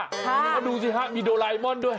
ห้ามาดูสิห้ามีโดราอิมอนด้วย